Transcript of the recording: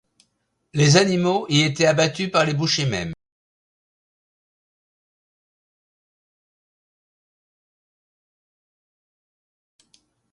Les animaux y étaient abattus par les bouchers mêmes.